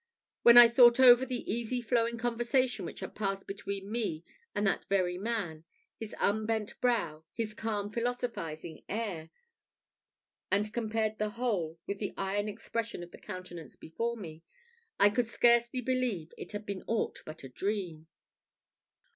When I thought over the easy flowing conversation which had passed between me and that very man, his unbent brow, his calm philosophising air, and compared the whole with the iron expression of the countenance before me, I could scarcely believe it had been aught but a dream.